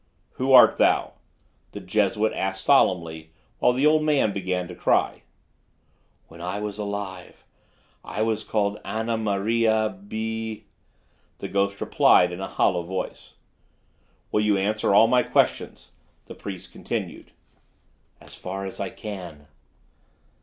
"Who art thou?" the Jesuit asked solemnly, while the old man began to cry. "When I was alive, I was called Anna Maria B ," the ghost replied in a hollow voice. "Will you answer all my questions?" the priest continued. "As far as I can."